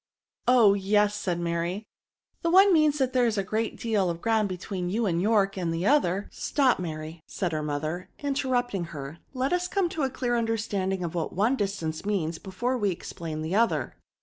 " Oh ! yes," said Mary ;the one means that there is a great deal of ground between you and York ; and the other —"" Stop, Mary/' said her mother, inter rupting her ;let us come to a clear under standing what one distance means before we explain the other.